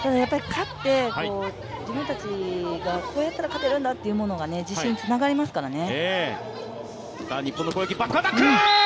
勝って自分たちがこうやったら勝てるんだというものが自信につながりますからね。